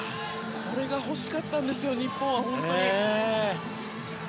これが欲しかったんです日本は。